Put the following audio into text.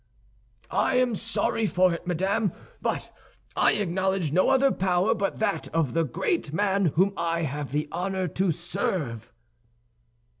"I am sorry for it, madame, but I acknowledge no other power but that of the great man whom I have the honor to serve."